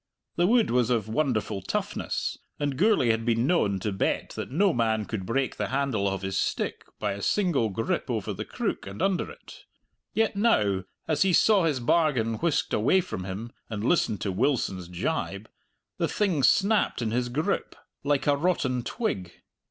The wood was of wonderful toughness, and Gourlay had been known to bet that no man could break the handle of his stick by a single grip over the crook and under it. Yet now, as he saw his bargain whisked away from him and listened to Wilson's jibe, the thing snapped in his grip like a rotten twig.